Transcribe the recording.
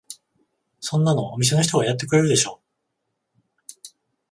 そんなのお店の人がやってくれるでしょ。